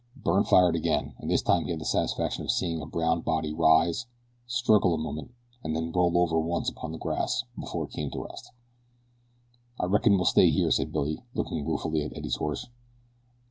Byrne fired again, and this time he had the satisfaction of seeing a brown body rise, struggle a moment, and then roll over once upon the grass before it came to rest. "I reckon we'll stay here," said Billy, looking ruefully at Eddie's horse.